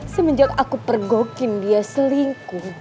semenjak aku pergokin dia selingkuh